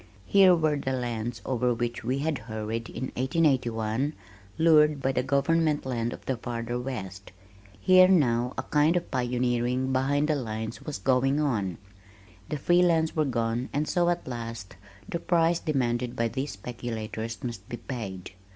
Here were the lands over which we had hurried in 1881, lured by the "Government Land" of the farther west. Here, now, a kind of pioneering behind the lines was going on. The free lands were gone and so, at last, the price demanded by these speculators must be paid.